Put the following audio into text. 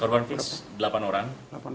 korban plus delapan orang